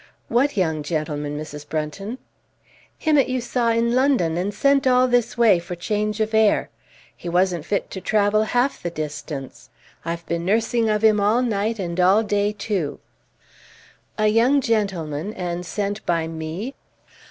"What young gentleman, Mrs. Brunton?" "Him 'at you saw i' London an' sent all this way for change of air! He wasn't fit to travel half the distance. I've been nursing of him all night and all day too." "A young gentleman, and sent by me?"